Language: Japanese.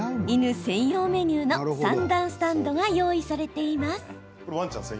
犬専用メニューの３段スタンドが用意されています。